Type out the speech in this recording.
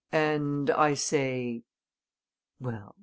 And I say?" "Well?"